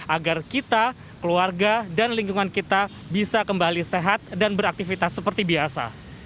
agar kita keluarga dan lingkungan kita bisa kembali sehat dan beraktivitas seperti biasa